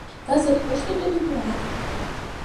Кызыт кушто тудым муат?